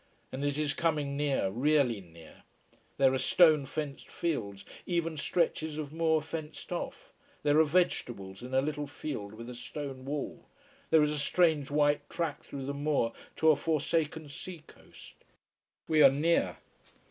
And it is coming near really near. There are stone fenced fields even stretches of moor fenced off. There are vegetables in a little field with a stone wall there is a strange white track through the moor to a forsaken sea coast. We are near.